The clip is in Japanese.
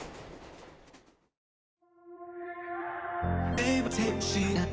えっ？